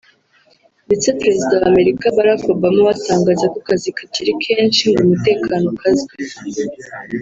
ndetse Perezida wa Amerika Barack Obama we atangaza ko akazi kakiri kenshi ngo umutekano ukazwe